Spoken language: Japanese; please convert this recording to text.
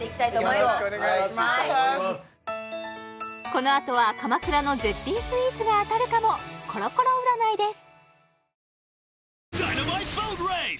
このあとは鎌倉の絶品スイーツが当たるかもコロコロ占いです